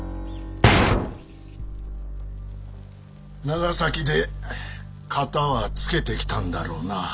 長崎で片はつけてきたんだろうなぁ。